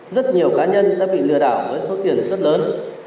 rất nhiều cá nhân đã bị lừa đảo với số tiền rất lớn